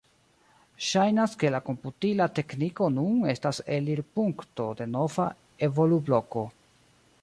Ŝajnas ke la komputila tekniko nun estas elirpunkto de nova evolubloko.